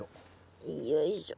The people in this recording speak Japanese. よいしょ。